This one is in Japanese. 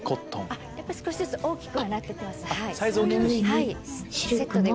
やっぱり少しずつ大きくはなって来ます。